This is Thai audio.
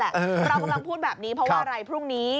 เรากำลังพูดแบบนี้เพราะว่าอะไรพรุ่งนี้